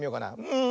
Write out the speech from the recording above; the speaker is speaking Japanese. うん。